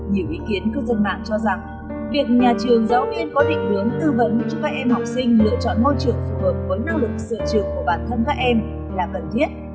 nhiều ý kiến cư dân mạng cho rằng việc nhà trường giáo viên có định hướng tư vấn cho các em học sinh lựa chọn môi trường phù hợp với năng lực dự trường của bản thân các em là cần thiết